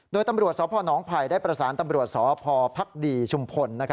โดยตำรวจสอบภนองภัยได้ประสานตำรวจสอบภพภักดีชุมพล